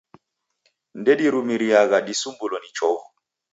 Ndedirumiriagha disumbulo ni chovu.